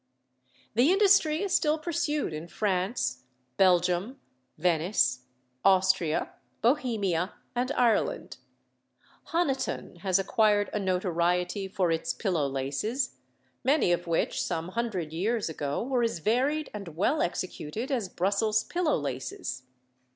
The industry is still pursued in France, Belgium, Venice, Austria, Bohemia, and Ireland. Honiton has acquired a notoriety for its pillow laces, many of which some hundred years ago were as varied and well executed as Brussels pillow laces.